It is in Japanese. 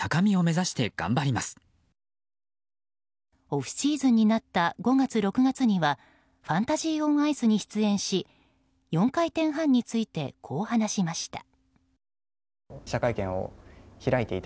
オフシーズンになった５月、６月にはファンタジー・オン・アイスに出演し４回転半についてこう話しました。